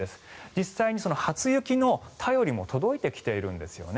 実際に初雪の便りも届いてきているんですね。